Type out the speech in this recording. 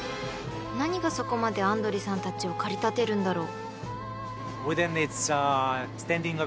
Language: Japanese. ［何がそこまでアンドリさんたちを駆り立てるんだろう？］